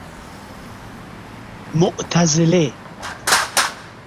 معتزله